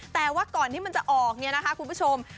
แต่ว่าก่อนที่มันจะออกเนี่ยนะคะคุณผู้ชม